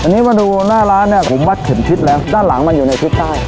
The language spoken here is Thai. อันนี้มาดูหน้าร้านเนี่ยผมวัดเข็มทิศแล้วด้านหลังมันอยู่ในทิศใต้